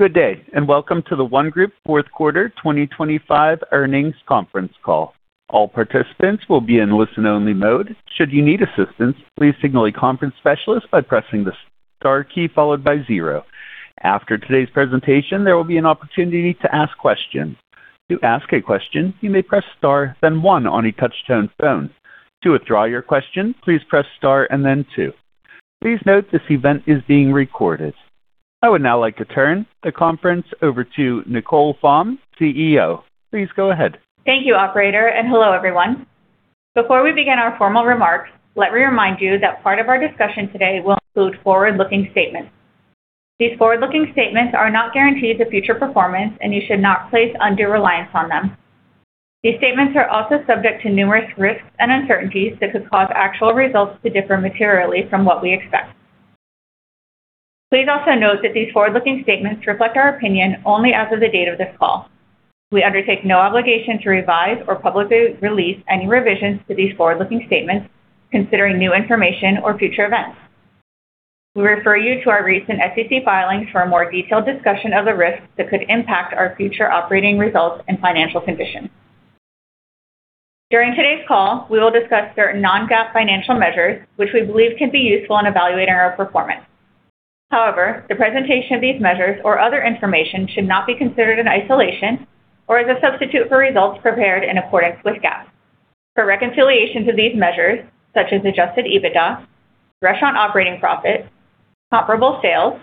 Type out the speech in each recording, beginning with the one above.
Good day, and welcome to the The ONE Group Hospitality fourth quarter 2025 earnings conference call. All participants will be in listen-only mode. Should you need assistance, please signal a conference specialist by pressing the star key followed by zero. After today's presentation, there will be an opportunity to ask questions. To ask a question, you may press Star, then one on a touch-tone phone. To withdraw your question, please press Star and then two. Please note this event is being recorded. I would now like to turn the conference over to Nicole Thaung, CEO. Please go ahead. Thank you, operator, and hello, everyone. Before we begin our formal remarks, let me remind you that part of our discussion today will include forward-looking statements. These forward-looking statements are not guarantees of future performance, and you should not place undue reliance on them. These statements are also subject to numerous risks and uncertainties that could cause actual results to differ materially from what we expect. Please also note that these forward-looking statements reflect our opinion only as of the date of this call. We undertake no obligation to revise or publicly release any revisions to these forward-looking statements considering new information or future events. We refer you to our recent SEC filings for a more detailed discussion of the risks that could impact our future operating results and financial conditions. During today's call, we will discuss certain non-GAAP financial measures, which we believe can be useful in evaluating our performance. However, the presentation of these measures or other information should not be considered in isolation or as a substitute for results prepared in accordance with GAAP. For reconciliation to these measures, such as Adjusted EBITDA, restaurant operating profit, comparable sales,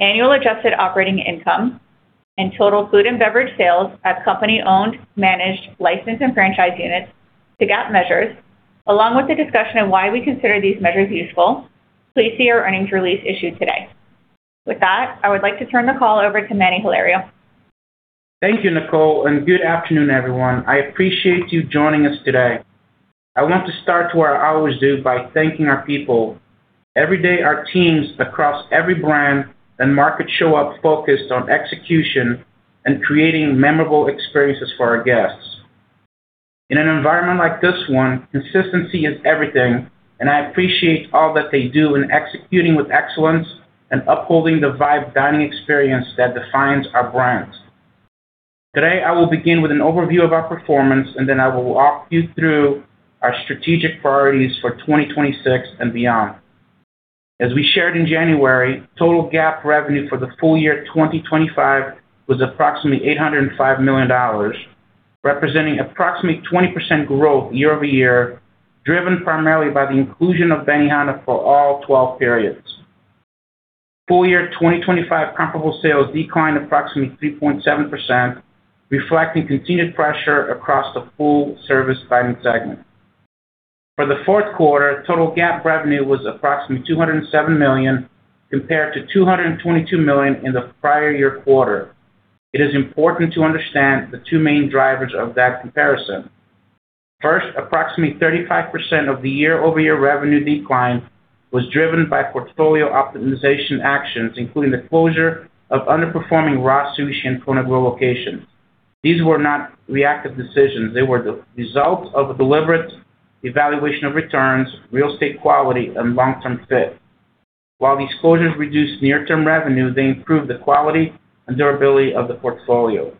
annual adjusted operating income, and total food and beverage sales at company-owned, managed, licensed, and franchise units to GAAP measures. Along with the discussion of why we consider these measures useful, please see our earnings release issued today. With that, I would like to turn the call over to Manny Hilario. Thank you, Nicole, and good afternoon, everyone. I appreciate you joining us today. I want to start where I always do by thanking our people. Every day, our teams across every brand and market show up focused on execution and creating memorable experiences for our guests. In an environment like this one, consistency is everything, and I appreciate all that they do in executing with excellence and upholding the Vibe Dining experience that defines our brands. Today, I will begin with an overview of our performance, and then I will walk you through our strategic priorities for 2026 and beyond. As we shared in January, total GAAP revenue for the full year 2025 was approximately $805 million, representing approximately 20% growth year-over-year, driven primarily by the inclusion of Benihana for all twelve periods. Full year 2025 comparable sales declined approximately 3.7%, reflecting continued pressure across the full service dining segment. For the fourth quarter, total GAAP revenue was approximately $207 million compared to $222 million in the prior year quarter. It is important to understand the two main drivers of that comparison. First, approximately 35% of the year-over-year revenue decline was driven by portfolio optimization actions, including the closure of underperforming RA Sushi and Kona Grill locations. These were not reactive decisions. They were the result of a deliberate evaluation of returns, real estate quality, and long-term fit. While these closures reduced near-term revenue, they improved the quality and durability of the portfolio.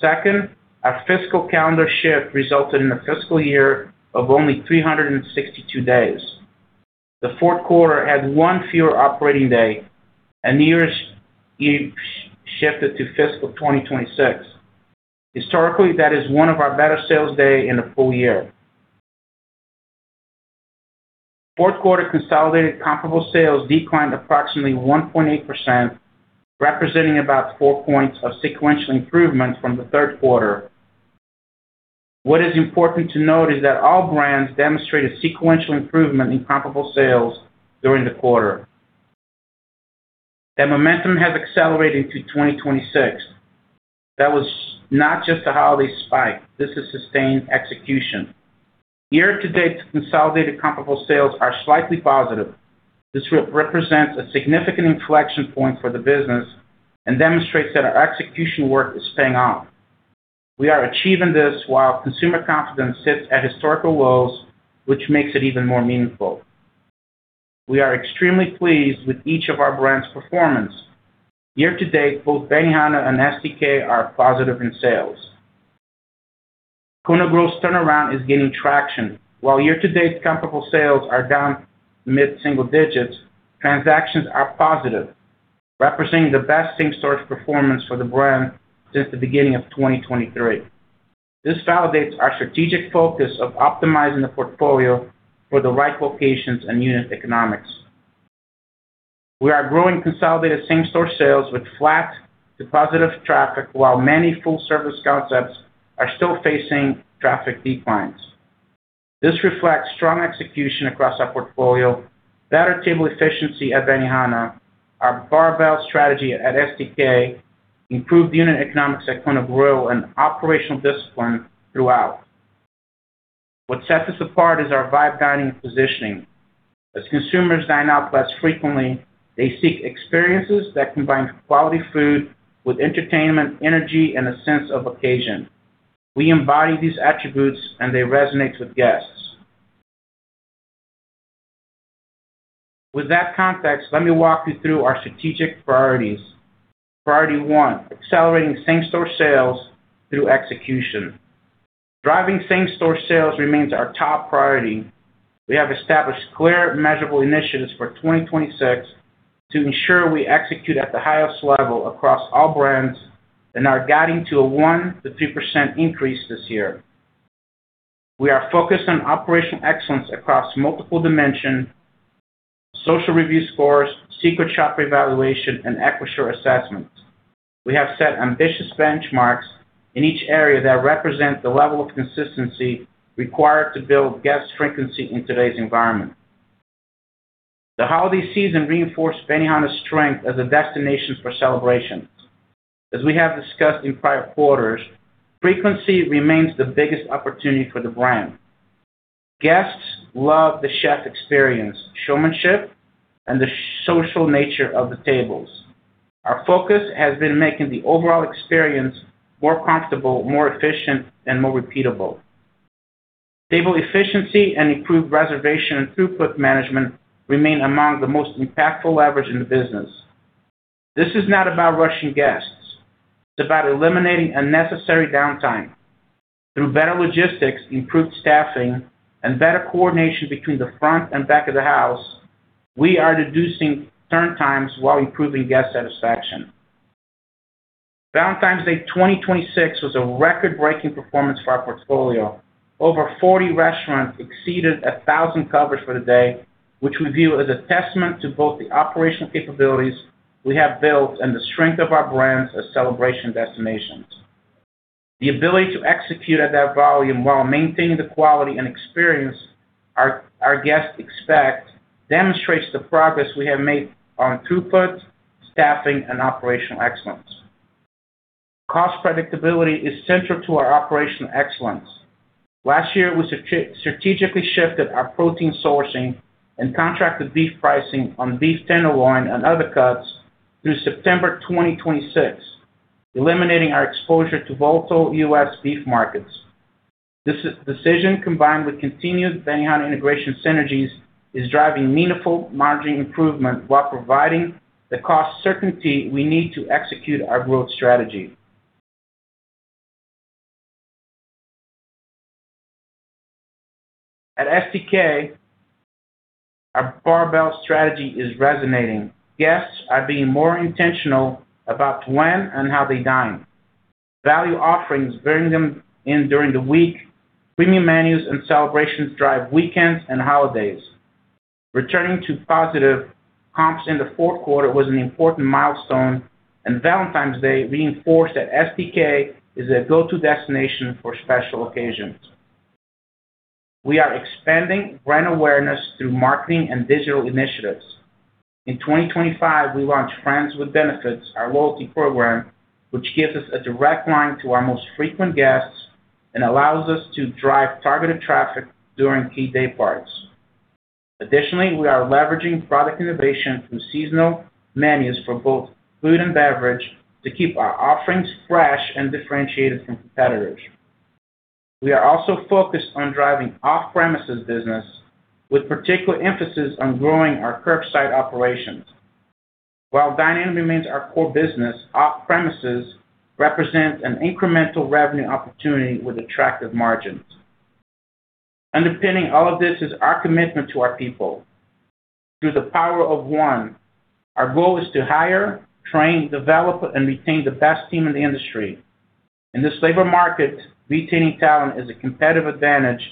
Second, our fiscal calendar shift resulted in a fiscal year of only 362 days. The fourth quarter had one fewer operating day, and the year shifted to fiscal 2026. Historically, that is one of our better sales day in a full year. Fourth quarter consolidated comparable sales declined approximately 1.8%, representing about four points of sequential improvement from the third quarter. What is important to note is that all brands demonstrated sequential improvement in comparable sales during the quarter. That momentum has accelerated to 2026. That was not just a holiday spike. This is sustained execution. Year to date, consolidated comparable sales are slightly positive. This represents a significant inflection point for the business and demonstrates that our execution work is paying off. We are achieving this while consumer confidence sits at historical lows, which makes it even more meaningful. We are extremely pleased with each of our brands' performance. Year-to-date, both Benihana and STK are positive in sales. Kona Grill's turnaround is gaining traction. While year-to-date comparable sales are down mid-single digits, transactions are positive, representing the best same-store performance for the brand since the beginning of 2023. This validates our strategic focus of optimizing the portfolio for the right locations and unit economics. We are growing consolidated same-store sales with flat to positive traffic, while many full-service concepts are still facing traffic declines. This reflects strong execution across our portfolio, better table efficiency at Benihana, our barbell strategy at STK, improved unit economics at Kona Grill, and operational discipline throughout. What sets us apart is our Vibe Dining positioning. As consumers dine out less frequently, they seek experiences that combine quality food with entertainment, energy, and a sense of occasion. We embody these attributes, and they resonate with guests. With that context, let me walk you through our strategic priorities. Priority one: accelerating same-store sales through execution. Driving same-store sales remains our top priority. We have established clear, measurable initiatives for 2026 to ensure we execute at the highest level across all brands and are guiding to a 1%-3% increase this year. We are focused on operational excellence across multiple dimensions, social review scores, secret shopper evaluation, and EquiShare assessments. We have set ambitious benchmarks in each area that represent the level of consistency required to build guest frequency in today's environment. The holiday season reinforced Benihana's strength as a destination for celebrations. As we have discussed in prior quarters, frequency remains the biggest opportunity for the brand. Guests love the chef experience, showmanship, and the social nature of the tables. Our focus has been making the overall experience more comfortable, more efficient, and more repeatable. Table efficiency and improved reservation and throughput management remain among the most impactful leverage in the business. This is not about rushing guests. It's about eliminating unnecessary downtime. Through better logistics, improved staffing, and better coordination between the front and back of the house, we are reducing turn times while improving guest satisfaction. Valentine's Day 2026 was a record-breaking performance for our portfolio. Over 40 restaurants exceeded 1,000 coverage for the day, which we view as a testament to both the operational capabilities we have built and the strength of our brands as celebration destinations. The ability to execute at that volume while maintaining the quality and experience our guests expect demonstrates the progress we have made on throughput, staffing, and operational excellence. Cost predictability is central to our operational excellence. Last year, we strategically shifted our protein sourcing and contracted beef pricing on beef tenderloin and other cuts through September 2026, eliminating our exposure to volatile U.S. beef markets. This decision, combined with continued Benihana integration synergies, is driving meaningful margin improvement while providing the cost certainty we need to execute our growth strategy. At STK, our barbell strategy is resonating. Guests are being more intentional about when and how they dine. Value offerings bring them in during the week. Premium menus and celebrations drive weekends and holidays. Returning to positive comps in the fourth quarter was an important milestone, and Valentine's Day reinforced that STK is a go-to destination for special occasions. We are expanding brand awareness through marketing and digital initiatives. In 2025, we launched Friends with Benefits, our loyalty program, which gives us a direct line to our most frequent guests and allows us to drive targeted traffic during key day parts. Additionally, we are leveraging product innovation through seasonal menus for both food and beverage to keep our offerings fresh and differentiated from competitors. We are also focused on driving off-premises business with particular emphasis on growing our curbside operations. While dining remains our core business, off-premises represents an incremental revenue opportunity with attractive margins. Underpinning all of this is our commitment to our people. Through the power of one, our goal is to hire, train, develop, and retain the best team in the industry. In this labor market, retaining talent is a competitive advantage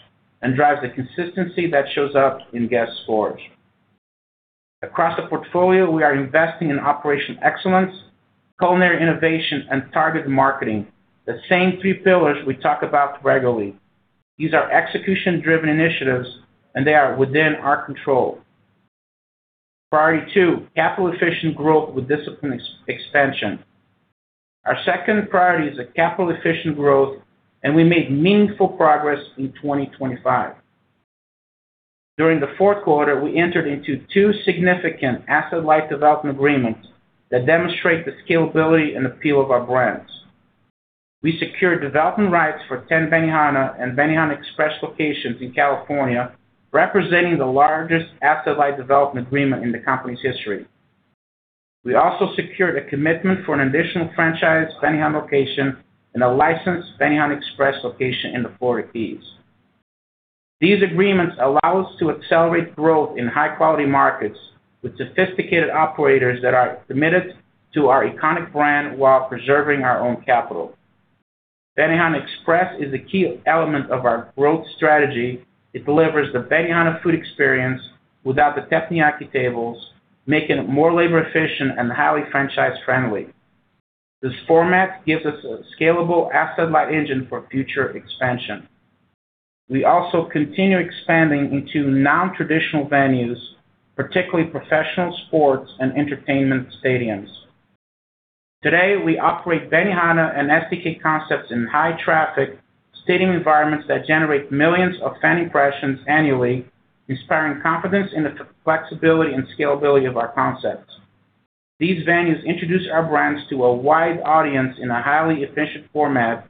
and drives the consistency that shows up in guest scores. Across the portfolio, we are investing in operational excellence, culinary innovation, and targeted marketing, the same three pillars we talk about regularly. These are execution-driven initiatives, and they are within our control. Priority two: capital-efficient growth with disciplined expansion. Our second priority is a capital-efficient growth, and we made meaningful progress in 2025. During the fourth quarter, we entered into two significant asset-light development agreements that demonstrate the scalability and appeal of our brands. We secured development rights for 10 Benihana and Benihana Express locations in California, representing the largest asset-light development agreement in the company's history. We also secured a commitment for an additional franchise Benihana location and a licensed Benihana Express location in the Florida Keys. These agreements allow us to accelerate growth in high-quality markets with sophisticated operators that are committed to our iconic brand while preserving our own capital. Benihana Express is a key element of our growth strategy. It delivers the Benihana food experience without the teppanyaki tables, making it more labor efficient and highly franchise friendly. This format gives us a scalable asset-light engine for future expansion. We also continue expanding into non-traditional venues, particularly professional sports and entertainment stadiums. Today, we operate Benihana and STK concepts in high-traffic stadium environments that generate millions of fan impressions annually, inspiring confidence in the flexibility and scalability of our concepts. These venues introduce our brands to a wide audience in a highly efficient format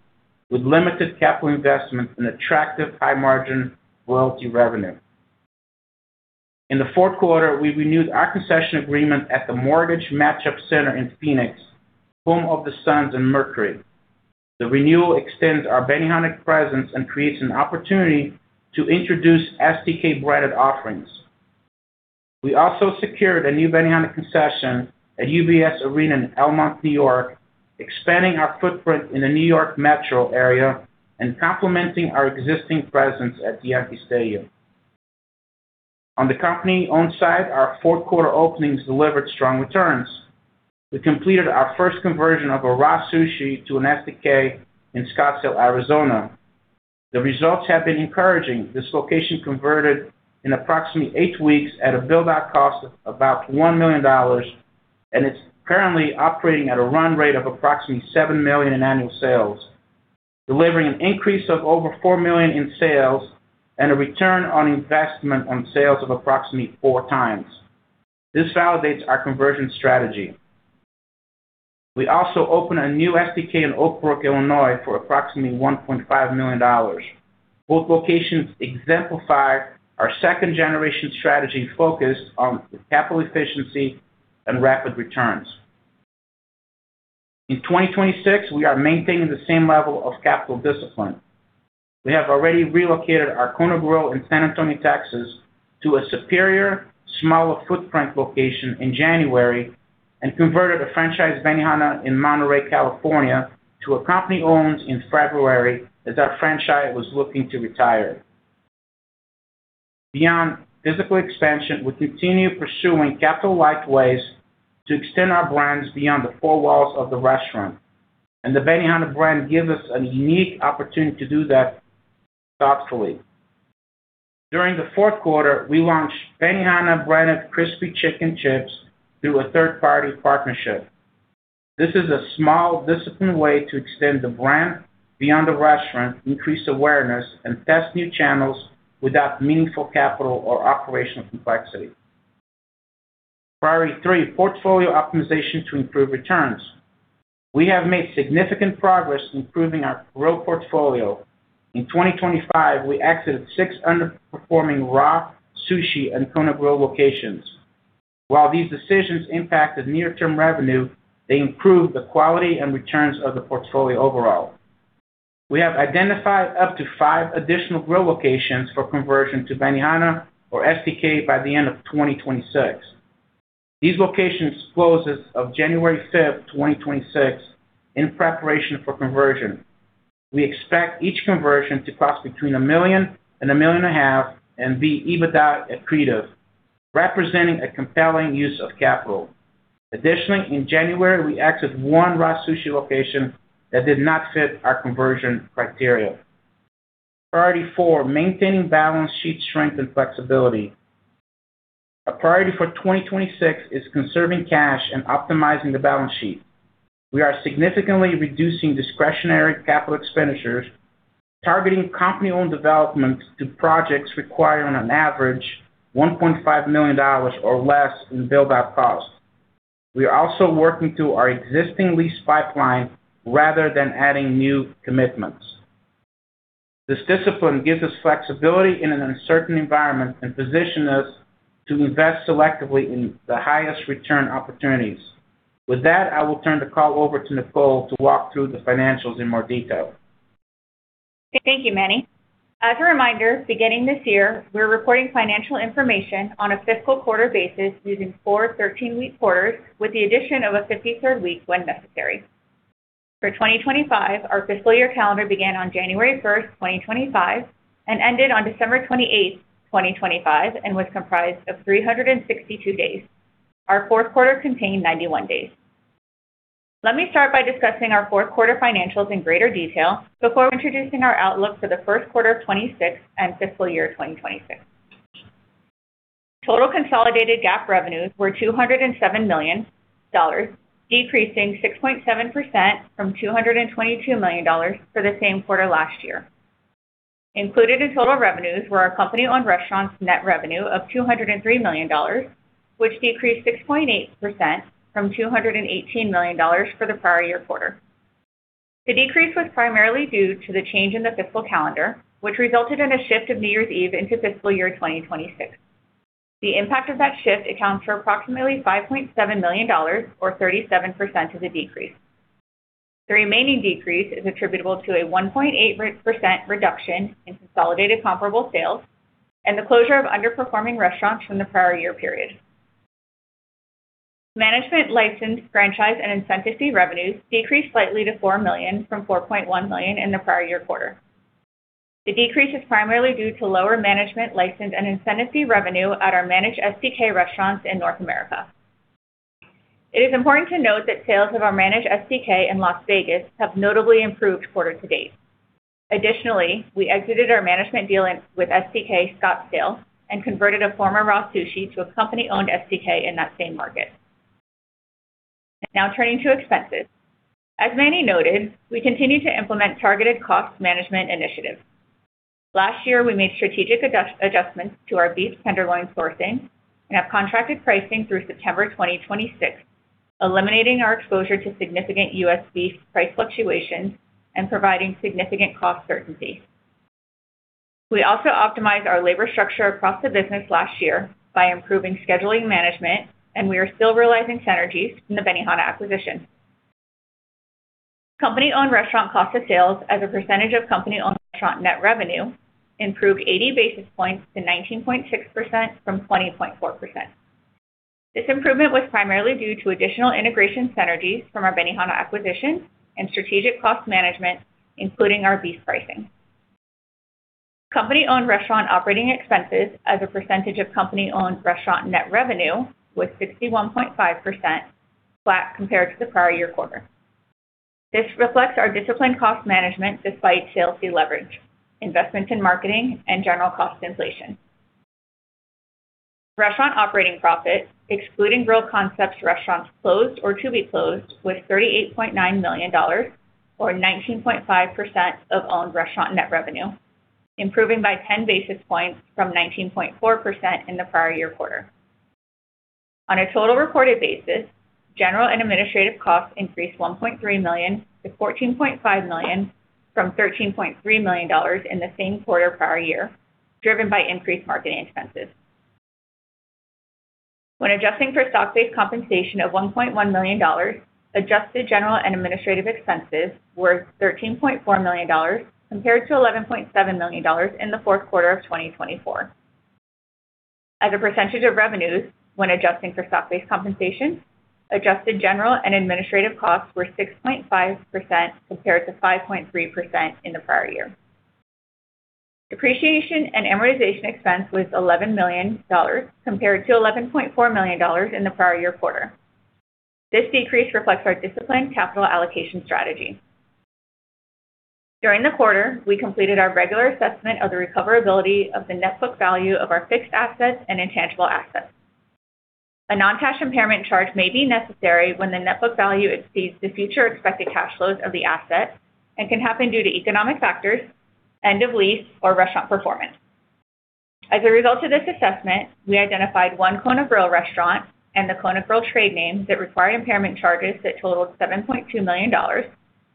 with limited capital investment and attractive high margin royalty revenue. In the fourth quarter, we renewed our concession agreement at the Mortgage Matchup Center in Phoenix, home of the Suns and Mercury. The renewal extends our Benihana presence and creates an opportunity to introduce STK branded offerings. We also secured a new Benihana concession at UBS Arena in Elmont, New York, expanding our footprint in the New York metro area and complementing our existing presence at the Yankee Stadium. On the company-owned side, our fourth quarter openings delivered strong returns. We completed our first conversion of a RA Sushi to an STK in Scottsdale, Arizona. The results have been encouraging. This location converted in approximately 8 weeks at a build-out cost of about $1 million, and it's currently operating at a run rate of approximately $7 million in annual sales, delivering an increase of over $4 million in sales and a return on investment on sales of approximately 4 times. This validates our conversion strategy. We also opened a new STK in Oak Brook, Illinois, for approximately $1.5 million. Both locations exemplify our second-generation strategy focused on capital efficiency and rapid returns. In 2026, we are maintaining the same level of capital discipline. We have already relocated our Kona Grill in San Antonio, Texas, to a superior, smaller footprint location in January and converted a franchise Benihana in Monterey, California, to a company owned in February as our franchise was looking to retire. Beyond physical expansion, we continue pursuing capital-light ways to extend our brands beyond the four walls of the restaurant, and the Benihana brand gives us a unique opportunity to do that thoughtfully. During the fourth quarter, we launched Benihana branded Crispy Chicken Chips through a third-party partnership. This is a small, disciplined way to extend the brand beyond the restaurant, increase awareness, and test new channels without meaningful capital or operational complexity. Priority three, portfolio optimization to improve returns. We have made significant progress improving our growth portfolio. In 2025, we exited six underperforming RA Sushi and Kona Grill locations. While these decisions impacted near-term revenue, they improved the quality and returns of the portfolio overall. We have identified up to five additional Kona Grill locations for conversion to Benihana or STK by the end of 2026. These locations close as of January 5, 2026, in preparation for conversion. We expect each conversion to cost between $1 million and $1.5 million, and be EBITDA accretive, representing a compelling use of capital. Additionally, in January, we exited one RA Sushi location that did not fit our conversion criteria. Priority four, maintaining balance sheet strength and flexibility. A priority for 2026 is conserving cash and optimizing the balance sheet. We are significantly reducing discretionary capital expenditures, targeting company-owned development to projects requiring on average $1.5 million or less in build-out costs. We are also working through our existing lease pipeline rather than adding new commitments. This discipline gives us flexibility in an uncertain environment and positions us to invest selectively in the highest return opportunities. With that, I will turn the call over to Nicole to walk through the financials in more detail. Thank you, Manny. As a reminder, beginning this year, we're reporting financial information on a fiscal quarter basis using four thirteen-week quarters, with the addition of a fifty-third week when necessary. For 2025, our fiscal year calendar began on January 1, 2025, and ended on December 28, 2025, and was comprised of 362 days. Our fourth quarter contained 91 days. Let me start by discussing our fourth quarter financials in greater detail before introducing our outlook for the first quarter of 2026 and fiscal year 2026. Total consolidated GAAP revenues were $207 million, decreasing 6.7% from $222 million for the same quarter last year. Included in total revenues were our company-owned restaurants' net revenue of $203 million, which decreased 6.8% from $218 million for the prior year quarter. The decrease was primarily due to the change in the fiscal calendar, which resulted in a shift of New Year's Eve into fiscal year 2026. The impact of that shift accounts for approximately $5.7 million or 37% of the decrease. The remaining decrease is attributable to a 1.8% reduction in consolidated comparable sales and the closure of underperforming restaurants from the prior year period. Management license, franchise, and incentive fee revenues decreased slightly to $4 million from $4.1 million in the prior year quarter. The decrease is primarily due to lower management license and incentive fee revenue at our managed STK restaurants in North America. It is important to note that sales of our managed STK in Las Vegas have notably improved quarter to date. Additionally, we exited our management deal with STK Scottsdale and converted a former RA Sushi to a company-owned STK in that same market. Now turning to expenses. As Manny noted, we continue to implement targeted cost management initiatives. Last year, we made strategic adjustments to our beef tenderloin sourcing and have contracted pricing through September 2026, eliminating our exposure to significant U.S. beef price fluctuations and providing significant cost certainty. We also optimized our labor structure across the business last year by improving scheduling management, and we are still realizing synergies from the Benihana acquisition. Company-owned restaurant cost of sales as a percentage of company-owned restaurant net revenue improved 80 basis points to 19.6% from 20.4%. This improvement was primarily due to additional integration synergies from our Benihana acquisition and strategic cost management, including our beef pricing. Company-owned restaurant operating expenses as a percentage of company-owned restaurant net revenue was 61.5%, flat compared to the prior year quarter. This reflects our disciplined cost management despite sales de-leverage, investment in marketing and general cost inflation. Restaurant operating profit, excluding Grille Concepts restaurants closed or to be closed, was $38.9 million or 19.5% of owned restaurant net revenue, improving by 10 basis points from 19.4% in the prior year quarter. On a total reported basis, general and administrative costs increased $1.3 million to $14.5 million from $13.3 million in the same quarter prior year, driven by increased marketing expenses. When adjusting for stock-based compensation of $1.1 million, adjusted general and administrative expenses were $13.4 million compared to $11.7 million in the fourth quarter of 2024. As a percentage of revenues when adjusting for stock-based compensation, adjusted general and administrative costs were 6.5% compared to 5.3% in the prior year. Depreciation and amortization expense was $11 million compared to $11.4 million in the prior year quarter. This decrease reflects our disciplined capital allocation strategy. During the quarter, we completed our regular assessment of the recoverability of the net book value of our fixed assets and intangible assets. A non-cash impairment charge may be necessary when the net book value exceeds the future expected cash flows of the asset and can happen due to economic factors, end of lease, or restaurant performance. As a result of this assessment, we identified one Kona Grill restaurant and the Kona Grill trade name that require impairment charges that totaled $7.2 million,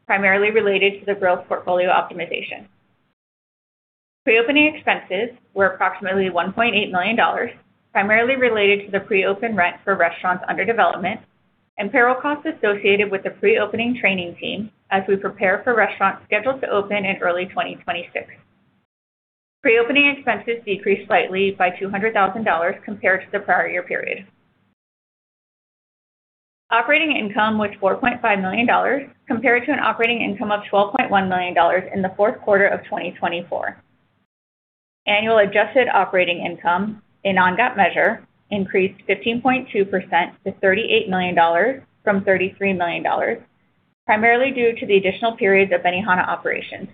primarily related to the Grille portfolio optimization. Pre-opening expenses were approximately $1.8 million, primarily related to the pre-open rent for restaurants under development and payroll costs associated with the pre-opening training team as we prepare for restaurants scheduled to open in early 2026. Pre-opening expenses decreased slightly by $200,000 compared to the prior year period. Operating income was $4.5 million compared to an operating income of $12.1 million in the fourth quarter of 2024. Annual adjusted operating income, a non-GAAP measure, increased 15.2% to $38 million from $33 million, primarily due to the additional periods of Benihana operations.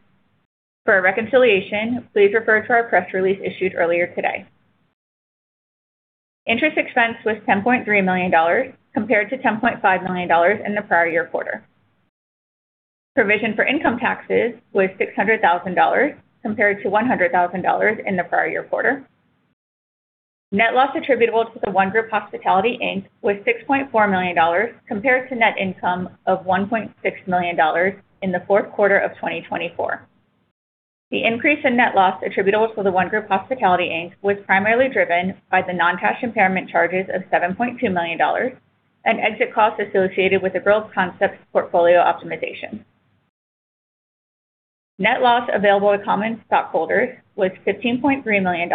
For a reconciliation, please refer to our press release issued earlier today. Interest expense was $10.3 million compared to $10.5 million in the prior year quarter. Provision for income taxes was $600,000 compared to $100,000 in the prior year quarter. Net Loss Attributable to The ONE Group Hospitality, Inc. was $6.4 million compared to net income of $1.6 million in the fourth quarter of 2024. The increase in net loss attributable to The ONE Group Hospitality, Inc. was primarily driven by the non-cash impairment charges of $7.2 million and exit costs associated with the Grille Concepts portfolio optimization. Net loss available to common stockholders was $15.3 million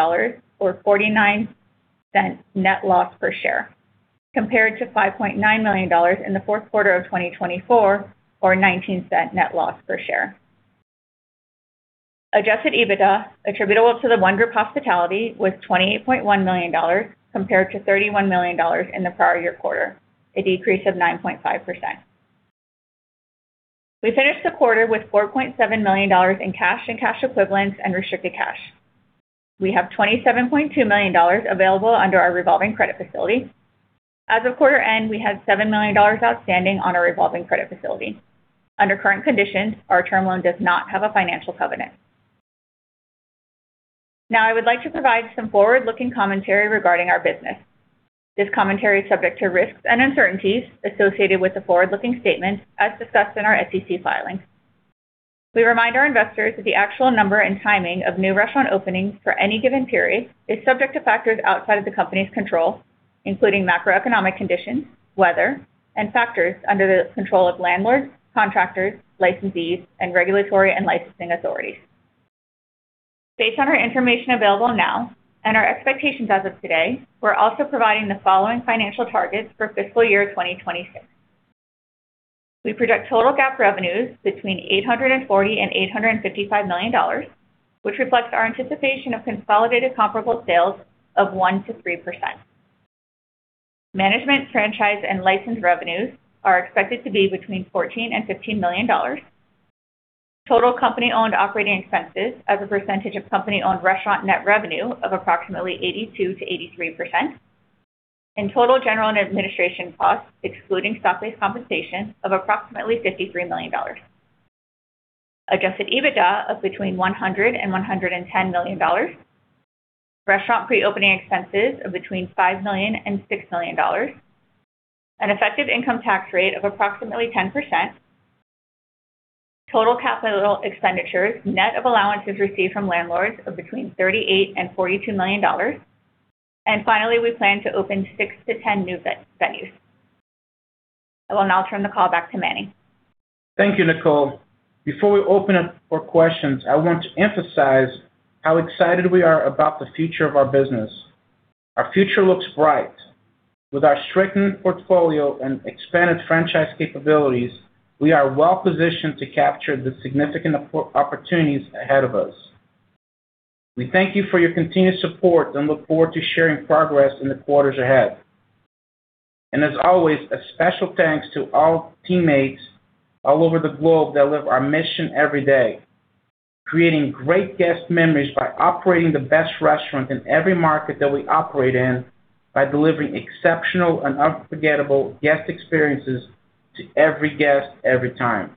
or $0.49 net loss per share, compared to $5.9 million in the fourth quarter of 2024 or $0.19 net loss per share. Adjusted EBITDA attributable to The ONE Group Hospitality was $28.1 million compared to $31 million in the prior year quarter, a decrease of 9.5%. We finished the quarter with $4.7 million in cash and cash equivalents and restricted cash. We have $27.2 million available under our revolving credit facility. As of quarter end, we had $7 million outstanding on our revolving credit facility. Under current conditions, our term loan does not have a financial covenant. Now, I would like to provide some forward-looking commentary regarding our business. This commentary is subject to risks and uncertainties associated with the forward-looking statements as discussed in our SEC filings. We remind our investors that the actual number and timing of new restaurant openings for any given period is subject to factors outside of the company's control, including macroeconomic conditions, weather, and factors under the control of landlords, contractors, licensees, and regulatory and licensing authorities. Based on our information available now and our expectations as of today, we're also providing the following financial targets for fiscal year 2026. We project total GAAP revenues between $840 million and $855 million, which reflects our anticipation of consolidated comparable sales of 1%-3%. Management franchise and licensed revenues are expected to be between $14 million and $15 million. Total company-owned operating expenses as a percentage of company-owned restaurant net revenue of approximately 82%-83%. Total general and administrative costs excluding stock-based compensation of approximately $53 million. Adjusted EBITDA of between $100 million and $110 million. Restaurant pre-opening expenses of between $5 million and $6 million. An effective income tax rate of approximately 10%. Total capital expenditures net of allowances received from landlords of between $38 million and $42 million. Finally, we plan to open 6-10 new venues. I will now turn the call back to Manny. Thank you, Nicole. Before we open up for questions, I want to emphasize how excited we are about the future of our business. Our future looks bright. With our strengthened portfolio and expanded franchise capabilities, we are well positioned to capture the significant opportunities ahead of us. We thank you for your continued support and look forward to sharing progress in the quarters ahead. As always, a special thanks to all teammates all over the globe that live our mission every day, creating great guest memories by operating the best restaurant in every market that we operate in by delivering exceptional and unforgettable guest experiences to every guest, every time.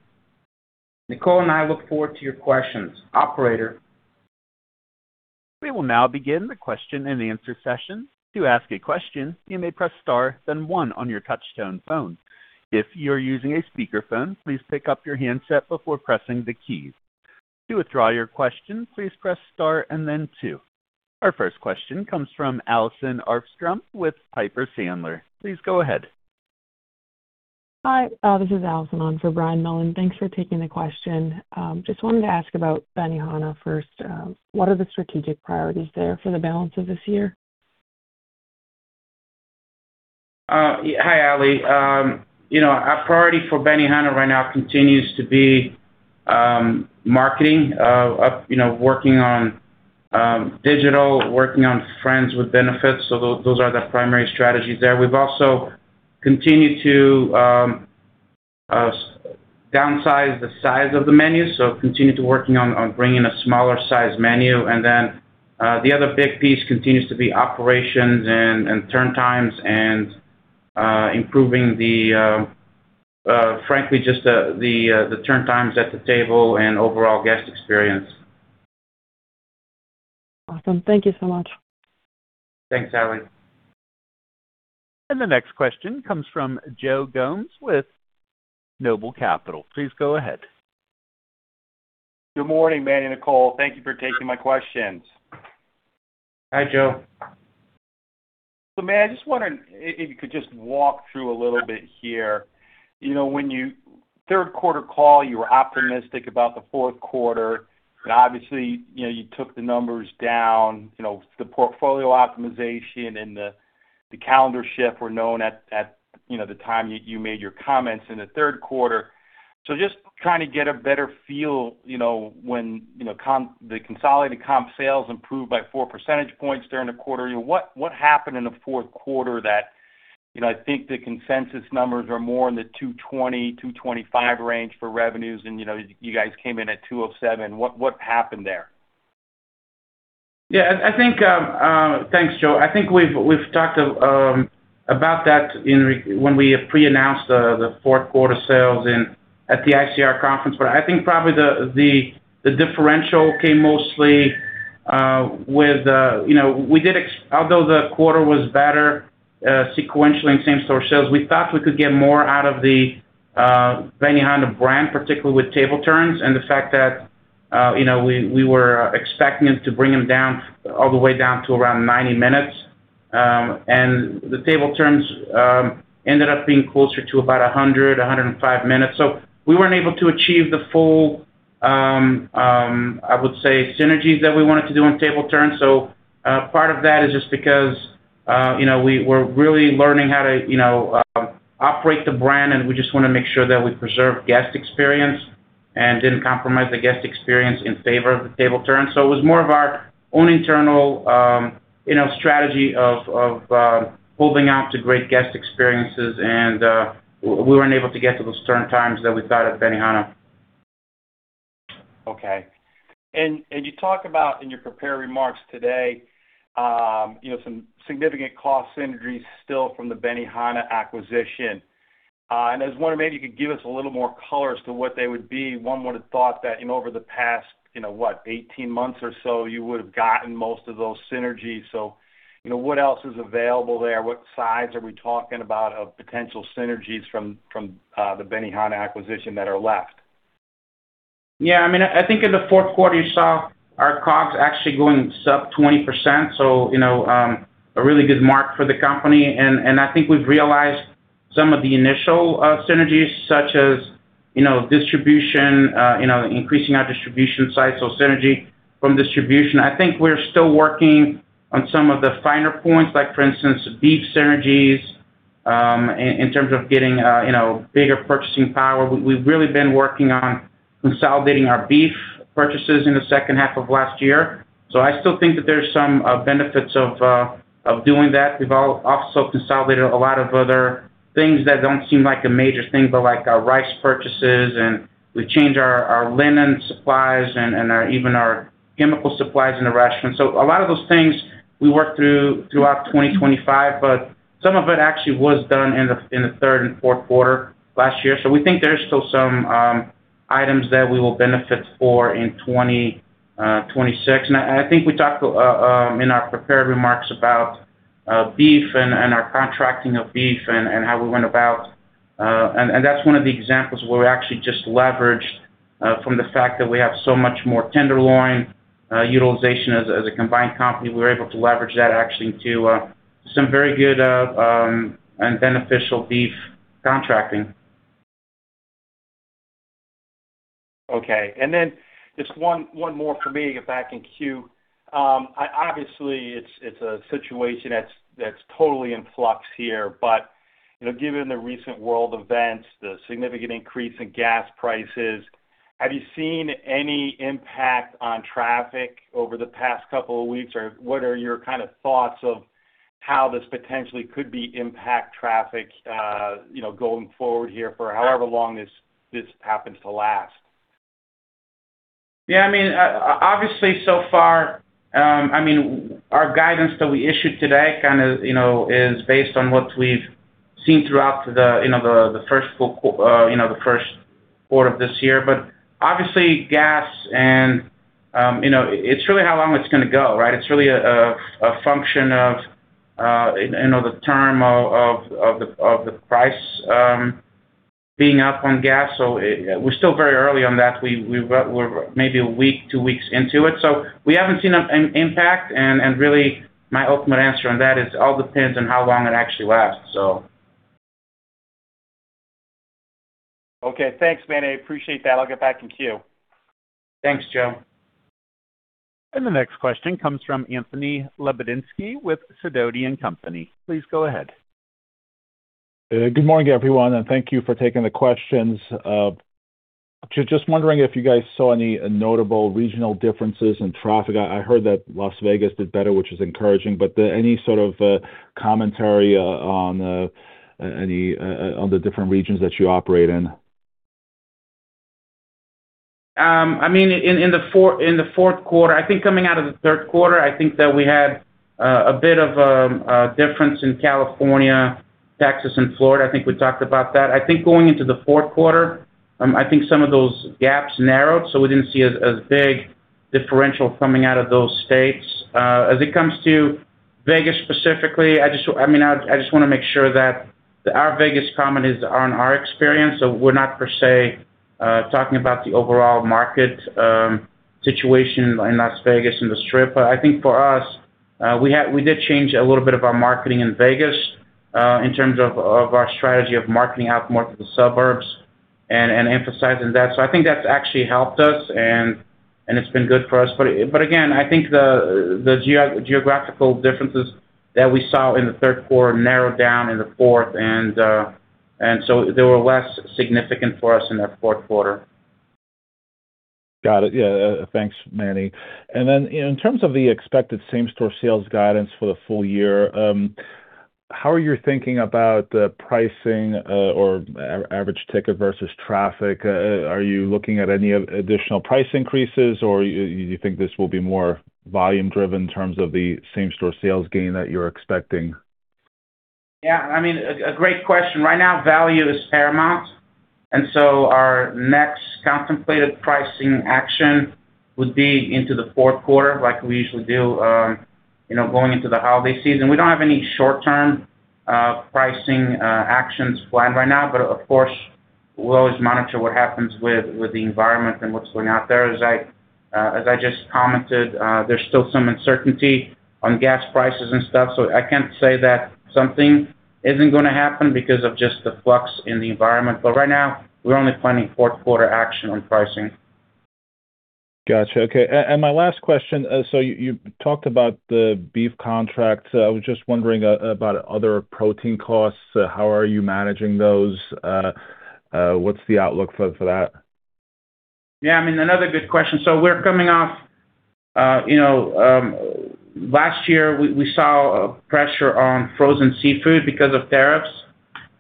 Nicole and I look forward to your questions. Operator. We will now begin the question and answer session. To ask a question, you may press star, then one on your touchtone phone. If you're using a speakerphone, please pick up your handset before pressing the keys. To withdraw your question, please press star and then two. Our first question comes from Allison Arfstrom with Piper Sandler. Please go ahead. Hi, this is Allison on for Brian Mullan. Thanks for taking the question. Just wanted to ask about Benihana first. What are the strategic priorities there for the balance of this year? Hi, Ally. You know, our priority for Benihana right now continues to be marketing, you know, working on digital, working on Friends with Benefits. Those are the primary strategies there. We've also continued to downsize the size of the menu, so continue to working on bringing a smaller size menu. Then, the other big piece continues to be operations and turn times and improving, frankly, just the turn times at the table and overall guest experience. Awesome. Thank you so much. Thanks, Ally. The next question comes from Joe Gomes with Noble Capital Markets. Please go ahead. Good morning, Manny and Nicole. Thank you for taking my questions. Hi, Joe. Manny, I just wondered if you could just walk through a little bit here. You know, when your third quarter call, you were optimistic about the fourth quarter. Obviously, you know, you took the numbers down. You know, the portfolio optimization and the calendar shift were known at, you know, the time you made your comments in the third quarter. Just trying to get a better feel, you know, when, you know, the consolidated comp sales improved by four percentage points during the quarter. You know, what happened in the fourth quarter that, you know, I think the consensus numbers are more in the $220-$225 range for revenues and, you know, you guys came in at $207. What happened there? Yeah, I think. Thanks, Joe. I think we've talked about that when we pre-announced the fourth quarter sales in at the ICR conference. I think probably the differential came mostly with you know, although the quarter was better sequentially in same-store sales, we thought we could get more out of the Benihana brand, particularly with table turns and the fact that you know, we were expecting it to bring them down all the way to around 90 minutes. The table turns ended up being closer to about 105 minutes. We weren't able to achieve the full, I would say, synergies that we wanted to do on table turns. Part of that is just because, you know, we're really learning how to, you know, operate the brand, and we just wanna make sure that we preserve guest experience and didn't compromise the guest experience in favor of the table turns. It was more of our own internal, you know, strategy of holding out to great guest experiences and we weren't able to get to those turn times that we thought at Benihana. Okay. You talk about in your prepared remarks today, you know, some significant cost synergies still from the Benihana acquisition. I was wondering maybe you could give us a little more color as to what they would be. One would have thought that, you know, over the past, you know what, 18 months or so, you would have gotten most of those synergies. You know, what else is available there? What size are we talking about of potential synergies from the Benihana acquisition that are left? Yeah, I mean, I think in the fourth quarter, you saw our costs actually going sub 20%. You know, a really good mark for the company. I think we've realized some of the initial synergies, such as, you know, distribution, you know, increasing our distribution sites or synergy from distribution. I think we're still working on some of the finer points, like for instance, beef synergies, in terms of getting, you know, bigger purchasing power. We've really been working on consolidating our beef purchases in the second half of last year. I still think that there's some benefits of doing that. We've also consolidated a lot of other things that don't seem like a major thing, but like our rice purchases, and we changed our linen supplies and even our chemical supplies in the restaurant. A lot of those things. We work throughout 2025, but some of it actually was done in the third and fourth quarter last year. We think there is still some items that we will benefit from in 2026. I think we talked in our prepared remarks about beef and our contracting of beef and how we went about. That's one of the examples where we actually just leveraged from the fact that we have so much more tenderloin utilization as a combined company. We're able to leverage that actually to some very good and beneficial beef contracting. Okay. Just one more for me to get back in queue. Obviously it's a situation that's totally in flux here, but you know, given the recent world events, the significant increase in gas prices, have you seen any impact on traffic over the past couple of weeks? Or what are your kind of thoughts on how this potentially could impact traffic, you know, going forward here for however long this happens to last? Yeah, I mean, obviously so far, I mean, our guidance that we issued today kind of, you know, is based on what we've seen throughout the, you know, the first full quarter of this year. Obviously gas and, you know, it's really how long it's gonna go, right? It's really a function of, you know, the term of the price being up on gas. So we're still very early on that. We're maybe a week, two weeks into it, so we haven't seen an impact and really my ultimate answer on that is all depends on how long it actually lasts, so. Okay, thanks, Manny. I appreciate that. I'll get back in queue. Thanks, Joe. The next question comes from Anthony Lebiedzinski with Sidoti & Company. Please go ahead. Good morning, everyone, and thank you for taking the questions. Just wondering if you guys saw any notable regional differences in traffic. I heard that Las Vegas did better, which is encouraging, but any sort of commentary on the different regions that you operate in? I mean, in the fourth quarter, I think coming out of the third quarter, I think that we had a bit of a difference in California, Texas and Florida. I think we talked about that. I think going into the fourth quarter, I think some of those gaps narrowed, so we didn't see as big differential coming out of those states. As it comes to Vegas specifically, I mean, I just wanna make sure that our Vegas comment is on our experience. We're not per se talking about the overall market situation in Las Vegas and the Strip. I think for us, we did change a little bit of our marketing in Vegas, in terms of our strategy of marketing out more to the suburbs and emphasizing that. I think that's actually helped us and it's been good for us. Again, I think the geographical differences that we saw in the third quarter narrowed down in the fourth and so they were less significant for us in the fourth quarter. Got it. Yeah. Thanks, Manny. Then in terms of the expected same-store sales guidance for the full year, how are you thinking about the pricing, or average ticket versus traffic? Are you looking at any additional price increases, or you think this will be more volume driven in terms of the same-store sales gain that you're expecting? Yeah, I mean, a great question. Right now, value is paramount, and so our next contemplated pricing action would be into the fourth quarter like we usually do, you know, going into the holiday season. We don't have any short-term pricing actions planned right now, but of course, we'll always monitor what happens with the environment and what's going out there. As I just commented, there's still some uncertainty on gas prices and stuff, so I can't say that something isn't gonna happen because of just the flux in the environment. Right now, we're only planning fourth quarter action on pricing. Gotcha. Okay. My last question. You talked about the beef contract. I was just wondering about other protein costs. How are you managing those? What's the outlook for that? Yeah, I mean, another good question. We're coming off you know last year we saw a pressure on frozen seafood because of tariffs,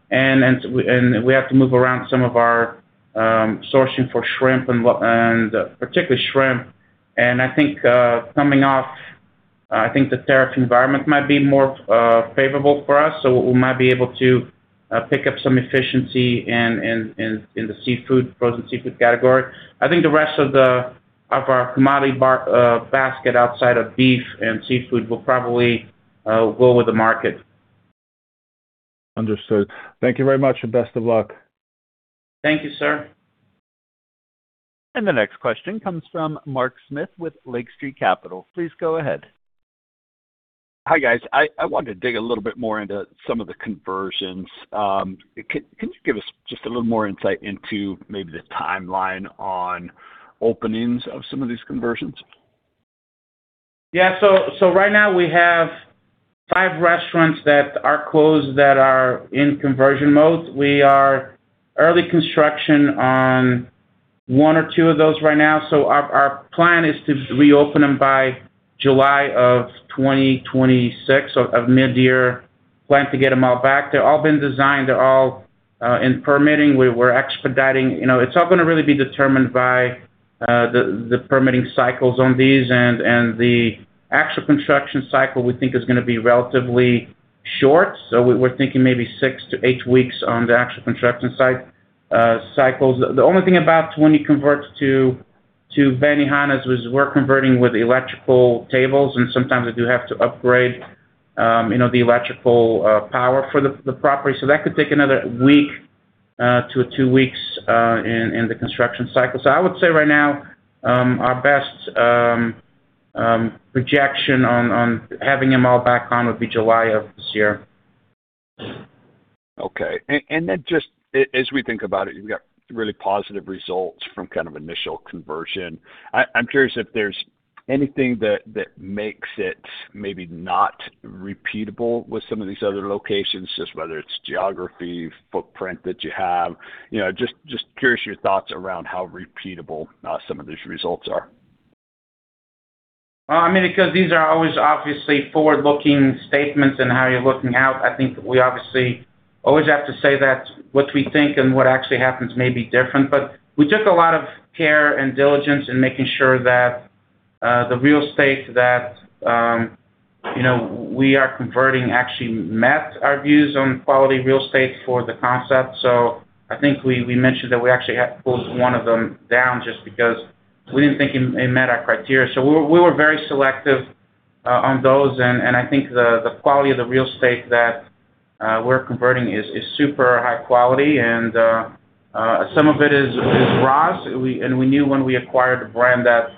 and we have to move around some of our sourcing for shrimp and particularly shrimp. I think coming off I think the tariff environment might be more favorable for us, so we might be able to pick up some efficiency in the frozen seafood category. I think the rest of our commodity basket outside of beef and seafood will probably go with the market. Understood. Thank you very much, and best of luck. Thank you, sir. The next question comes from Mark Smith with Lake Street Capital Markets. Please go ahead. Hi, guys. I wanted to dig a little bit more into some of the conversions. Can you give us just a little more insight into maybe the timeline on openings of some of these conversions? Yeah. Right now we have five restaurants that are closed that are in conversion mode. We're in early construction on one or two of those right now, our plan is to reopen them by July 2026 or mid-year plan to get them all back. They've all been designed. They're all in permitting. We're expediting. You know, it's all gonna really be determined by the permitting cycles on these and the actual construction cycle we think is gonna be relatively short. We're thinking maybe six to eight weeks on the actual construction site cycles. The only thing about these conversions to Benihana is we're converting with electrical tables, and sometimes we do have to upgrade you know the electrical power for the property. That could take another week to two weeks in the construction cycle. I would say right now our best projection on having them all back on would be July of this year. Okay. Just as we think about it, you've got really positive results from kind of initial conversion. I'm curious if there's anything that makes it maybe not repeatable with some of these other locations, just whether it's geography, footprint that you have. You know, just curious your thoughts around how repeatable some of these results are. Well, I mean, because these are always obviously forward-looking statements and how you're looking out, I think we obviously always have to say that what we think and what actually happens may be different. We took a lot of care and diligence in making sure that the real estate that you know we are converting actually met our views on quality real estate for the concept. I think we mentioned that we actually had to close one of them down just because we didn't think it met our criteria. We were very selective on those, and I think the quality of the real estate that we're converting is super high quality. Some of it is RA's. We knew when we acquired the brand that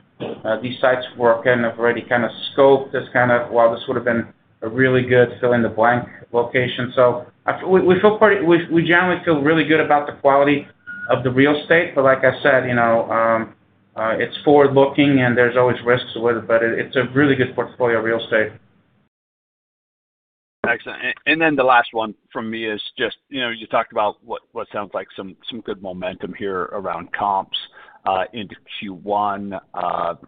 these sites were kind of already kind of scoped as kind of, well, this would have been a really good fill in the blank location. We generally feel really good about the quality of the real estate, but like I said, you know, it's forward-looking and there's always risks with it, but it's a really good portfolio of real estate. Excellent. The last one from me is just, you know, you talked about what sounds like some good momentum here around comps into Q1,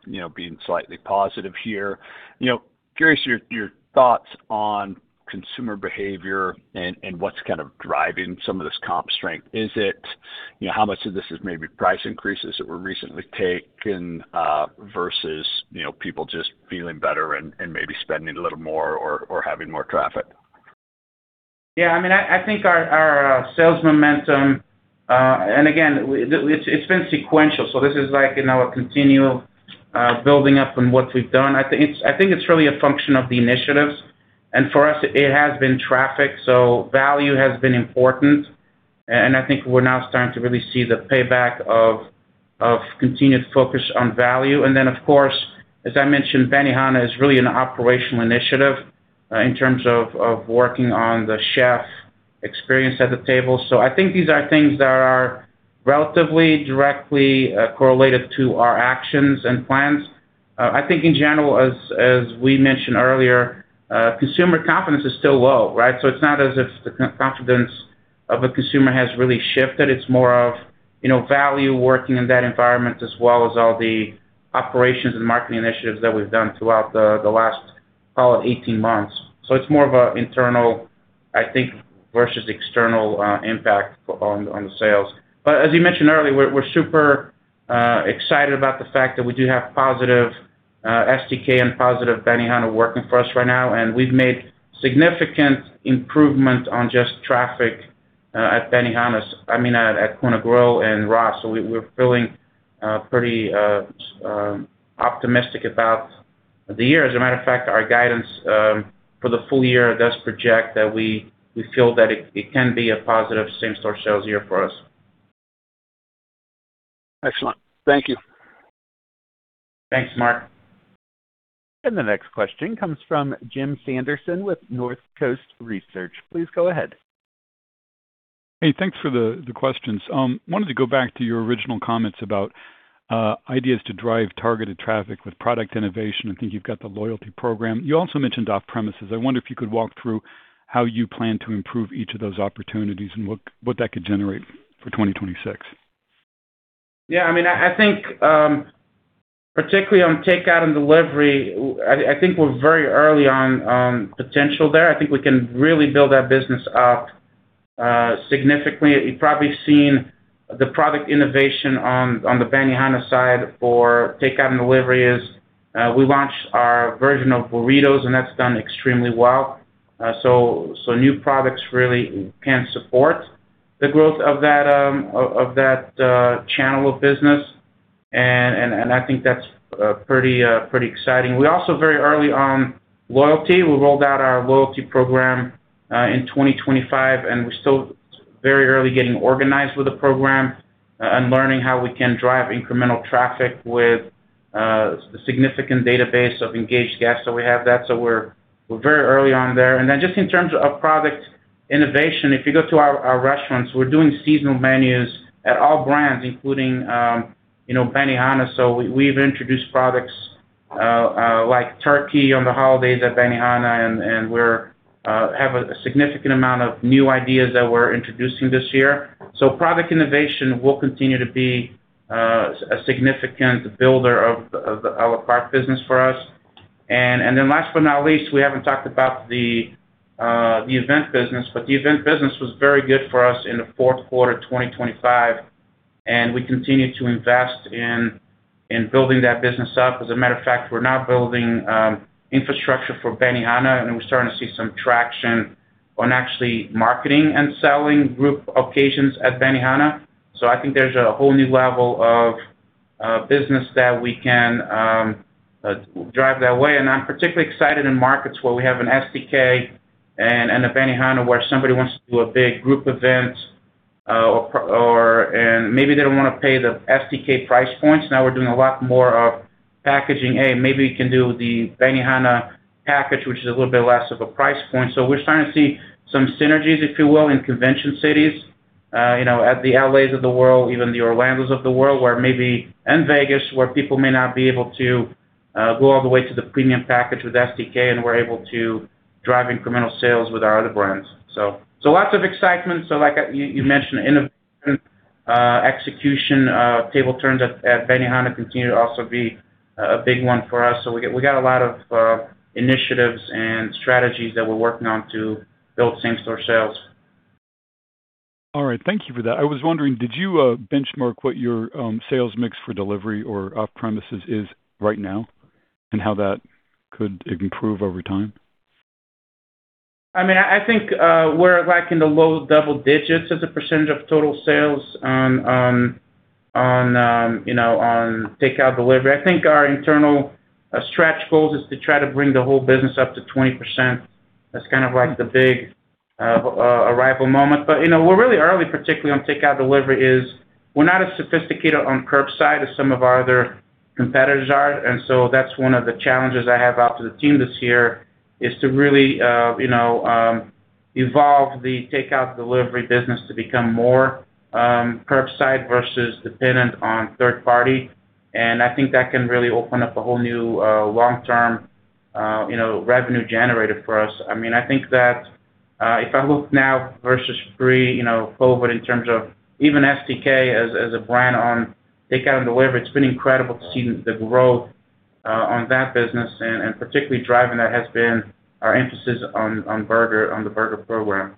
you know, being slightly positive here. You know, curious your thoughts on consumer behavior and what's kind of driving some of this comp strength. Is it, you know, how much of this is maybe price increases that were recently taken versus, you know, people just feeling better and maybe spending a little more or having more traffic? Yeah. I mean, I think our sales momentum and again, it's been sequential, so this is like in our continual building up from what we've done. I think it's really a function of the initiatives. For us, it has been traffic, so value has been important. I think we're now starting to really see the payback of continued focus on value. Then, of course, as I mentioned, Benihana is really an operational initiative in terms of working on the chef experience at the table. I think these are things that are relatively directly correlated to our actions and plans. I think in general, as we mentioned earlier, consumer confidence is still low, right? It's not as if the confidence of a consumer has really shifted. It's more of, you know, value working in that environment as well as all the operations and marketing initiatives that we've done throughout the last, call it 18 months. It's more of an internal, I think, versus external impact on the sales. But as you mentioned earlier, we're super excited about the fact that we do have positive STK and positive Benihana working for us right now, and we've made significant improvement on just traffic at Benihana's, I mean, at Kona Grill and RA. We're feeling pretty optimistic about the year. As a matter of fact, our guidance for the full year does project that we feel that it can be a positive same-store sales year for us. Excellent. Thank you. Thanks, Mark. The next question comes from Jim Sanderson with Northcoast Research. Please go ahead. Hey, thanks for the questions. Wanted to go back to your original comments about ideas to drive targeted traffic with product innovation. I think you've got the loyalty program. You also mentioned off-premises. I wonder if you could walk through how you plan to improve each of those opportunities and what that could generate for 2026. Yeah. I mean, I think particularly on takeout and delivery, I think we're very early on potential there. I think we can really build that business up significantly. You've probably seen the product innovation on the Benihana side for takeout and delivery is we launched our version of burritos, and that's done extremely well. So new products really can support the growth of that channel of business. I think that's pretty exciting. We're also very early on loyalty. We rolled out our loyalty program in 2025, and we're still very early getting organized with the program and learning how we can drive incremental traffic with the significant database of engaged guests that we have. That's what we're very early on there. Then just in terms of product innovation, if you go to our restaurants, we're doing seasonal menus at all brands, including, you know, Benihana. We've introduced products like turkey on the holidays at Benihana, and we have a significant amount of new ideas that we're introducing this year. Product innovation will continue to be a significant builder of our product business for us. Then last but not least, we haven't talked about the event business. The event business was very good for us in the fourth quarter 2025. We continue to invest in building that business up. As a matter of fact, we're now building infrastructure for Benihana, and we're starting to see some traction on actually marketing and selling group occasions at Benihana. I think there's a whole new level of business that we can drive that way. I'm particularly excited in markets where we have an STK and a Benihana where somebody wants to do a big group event or maybe they don't wanna pay the STK price points. Now we're doing a lot more of packaging. Maybe we can do the Benihana package, which is a little bit less of a price point. We're starting to see some synergies, if you will, in convention cities, you know, at the L.A.'s of the world, even the Orlando's of the world, and Vegas, where people may not be able to go all the way to the premium package with STK, and we're able to drive incremental sales with our other brands. So lots of excitement. Like you mentioned innovation, execution, table turns at Benihana continue to also be a big one for us. We got a lot of initiatives and strategies that we're working on to build same store sales. All right. Thank you for that. I was wondering, did you benchmark what your sales mix for delivery or off-premises is right now and how that could improve over time? I mean, I think, we're like in the low double digits as a percentage of total sales on, you know, on takeout delivery. I think our internal stretch goals is to try to bring the whole business up to 20%. That's kind of like the big arrival moment. You know, we're really early, particularly on takeout delivery, we're not as sophisticated on curbside as some of our other competitors are. That's one of the challenges I have out to the team this year, is to really, you know, evolve the takeout delivery business to become more, curbside versus dependent on third party. I think that can really open up a whole new long-term, you know, revenue generator for us. I mean, I think that, if I look now versus pre, you know, COVID, in terms of even STK as a brand on takeout and delivery, it's been incredible to see the growth on that business. Particularly driving that has been our emphasis on the burger program.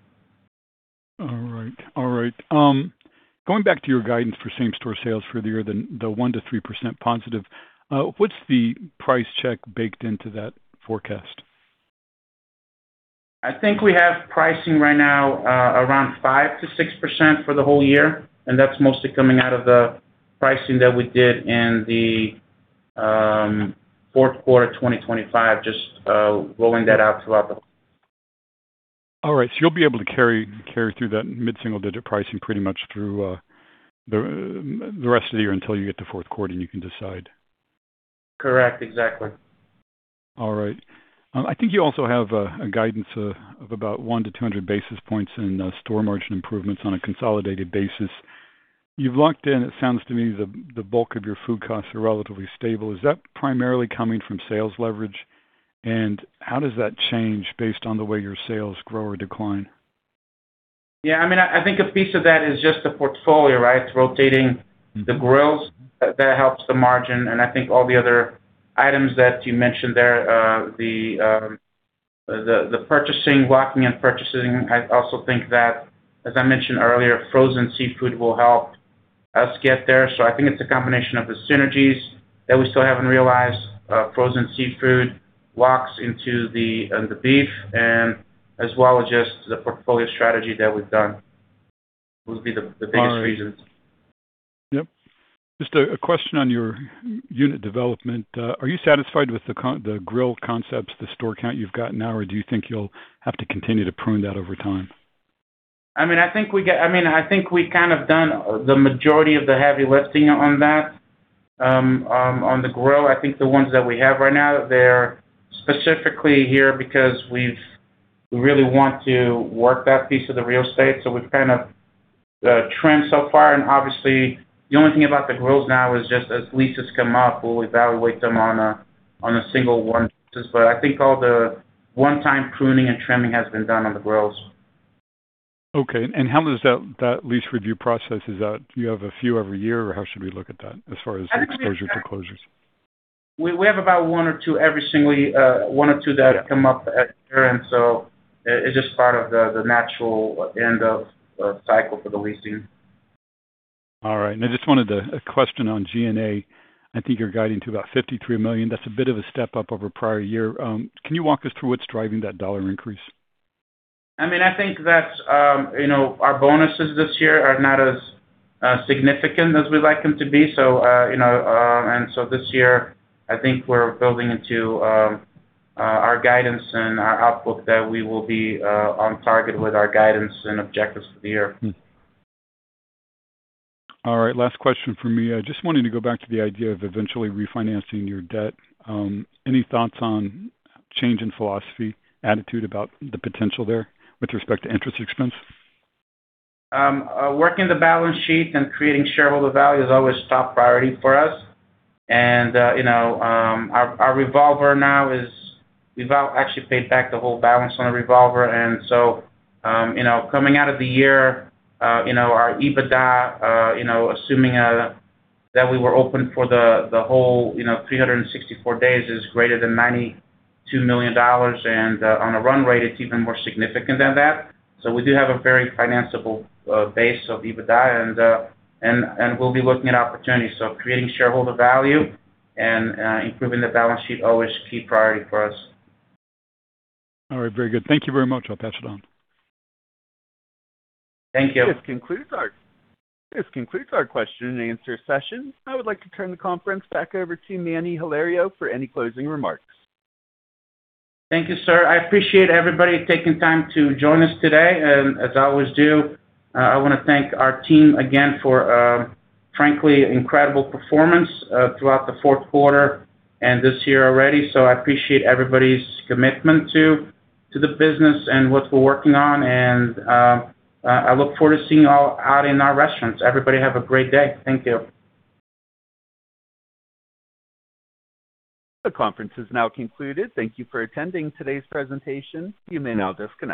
All right. Going back to your guidance for same store sales for the year, the 1%-3% positive, what's the price check baked into that forecast? I think we have pricing right now around 5%-6% for the whole year, and that's mostly coming out of the pricing that we did in the fourth quarter, 2025. Just rolling that out throughout the All right, you'll be able to carry through that mid-single digit pricing pretty much through the rest of the year until you get to fourth quarter and you can decide. Correct. Exactly. All right. I think you also have a guidance of about 100-200 basis points in store margin improvements on a consolidated basis. You've locked in, it sounds to me, the bulk of your food costs are relatively stable. Is that primarily coming from sales leverage? How does that change based on the way your sales grow or decline? Yeah, I mean, I think a piece of that is just the portfolio, right? Rotating the grills, that helps the margin. I think all the other items that you mentioned there, the purchasing, locking and purchasing. I also think that, as I mentioned earlier, frozen seafood will help us get there. I think it's a combination of the synergies that we still haven't realized. Frozen seafood locks into the beef and as well as just the portfolio strategy that we've done would be the biggest reasons. All right. Yep. Just a question on your unit development. Are you satisfied with the Grille Concepts, the store count you've got now, or do you think you'll have to continue to prune that over time? I mean, I think we kind of done the majority of the heavy lifting on that. On the grill. I think the ones that we have right now, they're specifically here because we really want to work that piece of the real estate. We've kind of followed the trend so far. Obviously the only thing about the grills now is just as leases come up, we'll evaluate them on a single one. I think all the one-time pruning and trimming has been done on the grills. Okay. How does that lease review process? Is that you have a few every year, or how should we look at that as far as exposure to closures? We have about one or two that come up every year. It's just part of the natural end of cycle for the leasing. All right. I just wanted a question on G&A. I think you're guiding to about $53 million. That's a bit of a step up over prior year. Can you walk us through what's driving that dollar increase? I mean, I think that, you know, our bonuses this year are not as significant as we'd like them to be. You know, and so this year, I think we're building into our guidance and our outlook that we will be on target with our guidance and objectives for the year. All right, last question for me. I just wanted to go back to the idea of eventually refinancing your debt. Any thoughts on change in philosophy, attitude about the potential there with respect to interest expense? Working the balance sheet and creating shareholder value is always top priority for us. Our revolver now is we've actually paid back the whole balance on the revolver. Coming out of the year, you know, our EBITDA, you know, assuming that we were open for the whole, you know, 364 days is greater than $92 million. On a run rate, it's even more significant than that. We do have a very financeable base of EBITDA, and we'll be looking at opportunities. Creating shareholder value and improving the balance sheet always key priority for us. All right. Very good. Thank you very much. I'll pass it on. Thank you. This concludes our question and answer session. I would like to turn the conference back over to Manny Hilario for any closing remarks. Thank you, sir. I appreciate everybody taking time to join us today. As I always do, I wanna thank our team again for, frankly, incredible performance throughout the fourth quarter and this year already. I appreciate everybody's commitment to the business and what we're working on. I look forward to seeing you all out in our restaurants. Everybody, have a great day. Thank you. The conference is now concluded. Thank you for attending today's presentation. You may now disconnect.